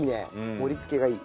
盛り付けがいい。